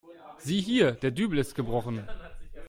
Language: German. Sieh hier, der Dübel ist gebrochen.